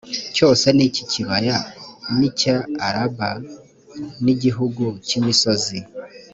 cyose n icy ikibaya n icya araba n igihugu cy imisozi